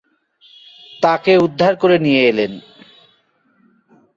তাকে উদ্ধার করে নিয়ে এলেন।